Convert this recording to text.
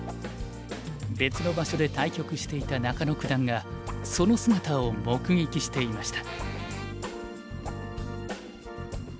別の場所で対局していた中野九段がその姿を目撃していました。